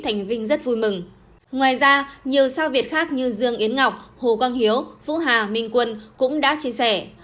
ngoài ra nhiều sao việt khác như dương yến ngọc hồ quang hiếu vũ hà minh quân cũng đã chia sẻ